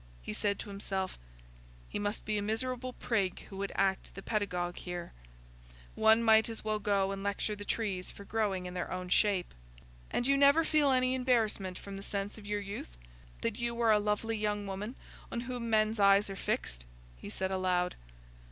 He said to himself, "He must be a miserable prig who would act the pedagogue here: one might as well go and lecture the trees for growing in their own shape." "And you never feel any embarrassment from the sense of your youth—that you are a lovely young woman on whom men's eyes are fixed?" he said aloud.